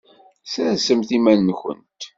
Sersemt iman-nkent!